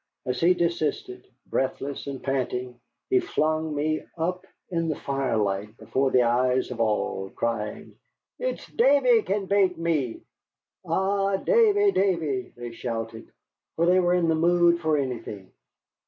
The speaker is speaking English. As he desisted, breathless and panting, he flung me up in the firelight before the eyes of them all, crying: "It's Davy can bate me!" "Ay, Davy, Davy!" they shouted, for they were in the mood for anything.